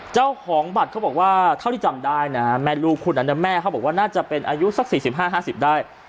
เจ้าของบัตรเขาบอกว่าเท่าที่จำได้นะแม่ลูกคุณนั้นแม่เขาบอกว่าน่าจะเป็นอายุสัก๔๕๕๐ได้